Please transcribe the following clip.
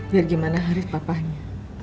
biar gimana haris pahamnya